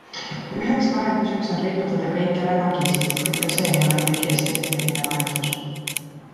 Üheks lahenduseks on riputada kõikjale nagisid, kuid ka see ei ole kuigi esteetiline lahendus.